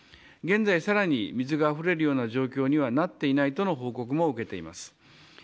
現在さらに水があふれるような状況にはなっていないとの報告を受けています。